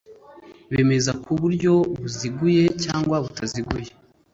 bemeza ku buryo buziguye cyangwa butaziguye